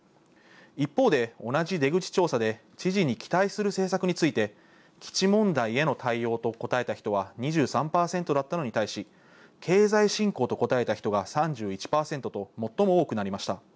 一方で、同じ出口調査で知事に期待する政策について基地問題への対応と答えた人は、２３％だったのに対し経済振興と答えた人が３１％と最も多くなりました。